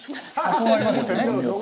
そうなりますよね。